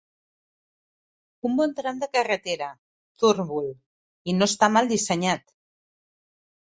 Un bon tram de carretera, Turnbull, i no està mal dissenyat.